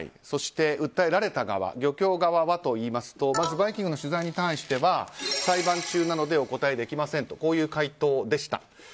そして、訴えられた側漁協側はといいますと「バイキング」の取材に対しては裁判中なのでお答えできませんという回答でした。